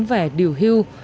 cũng vẻ điều hưu